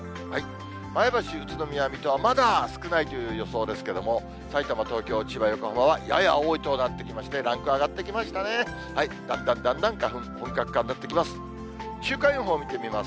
前橋、宇都宮、水戸はまだ少ないという予想ですけども、さいたま、東京、千葉、横浜はやや多いとなってきまして、ランク上がってきましたね、だんだんだんだん花粉、本格化になってきます。